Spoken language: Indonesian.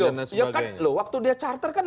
dan lain sebagainya waktu dia charter kan